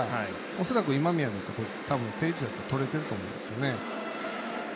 恐らく今宮、定位置だととれてると思うんですよね。